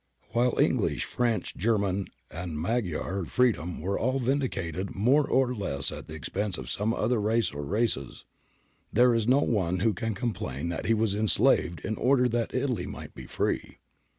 While English, French, German, and Magyar freedom were all vindicated more or less at THE RESULTS OF i860 295 the expense of some other race or races, there is no one who can complain that he was enslaved in order that Italy might be free.